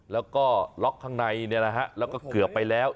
แล้วก๊อล็อกตัวในนะฮะแล้วก็เกือบไปแล้ว